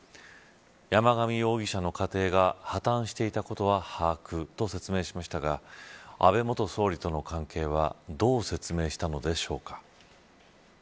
山上容疑者の家庭が破綻していたことは把握と説明しましたが安倍元総理との関係はどう説明したのでしょうか。